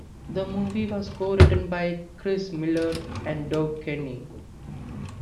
The movie was co-written by Chris Miller and Doug Kenney.